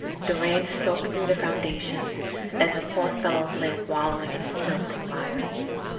The rain soaked through the foundations and the poor fellows lay wallowing in filth and mire.